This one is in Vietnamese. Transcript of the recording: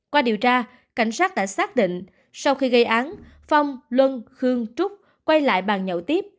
qua điều tra cảnh sát đã xác định sau khi gây án phong luân khương trúc quay lại bàn nhậu tiếp